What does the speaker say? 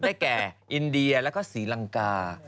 ได้แก่อินเดียแล้วก็ศรีลังกา